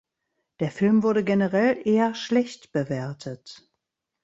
Der Film wurde generell eher schlecht bewertet.